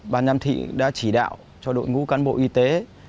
ban giám thị đã chỉ đạo cho đội ngũ cán bộ y tế